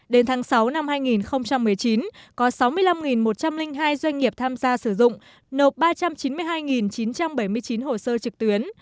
đến tháng sáu năm hai nghìn một mươi chín có sáu mươi năm một trăm linh hai doanh nghiệp tham gia sử dụng nộp ba trăm chín mươi hai chín trăm bảy mươi chín hồ sơ trực tuyến